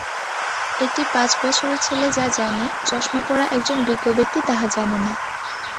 একটি পাঁচ বছরের ছেলে যা জানে, চশমাপরা একজন বিজ্ঞ ব্যক্তি তাহা জানে না!